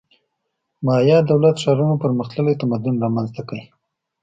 مایا دولت ښارونو پرمختللی تمدن رامنځته کړ